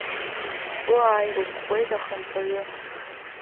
Сгәы ааирӷәӷәеит ахантәаҩы.